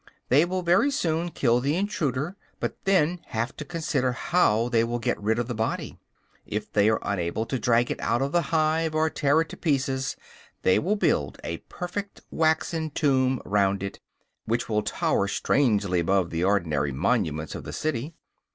They will very soon kill the intruder, but then have to consider how they will get rid of the body. If they are unable to drag it out of the hive or tear it to pieces, they will build a perfect waxen tomb round it, which will tower strangely above the ordinary monuments of the city.